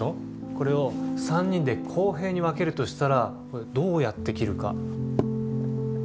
これを３人で公平に分けるとしたらどうやって切るか。